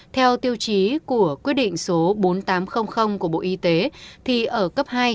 theo tiêu chí của quyết định số bốn nghìn tám trăm linh của bộ y tế thì ở cấp hai